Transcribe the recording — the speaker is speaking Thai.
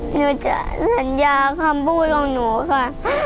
หนูจะสัญญาคำพูดของหนูค่ะ